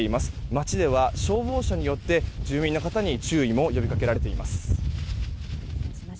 町では消防車によって住民の方に注意を呼びかけられています。